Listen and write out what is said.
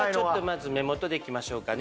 まず目元でいきましょうかね。